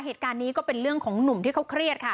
เหตุการณ์นี้ก็เป็นเรื่องของหนุ่มที่เขาเครียดค่ะ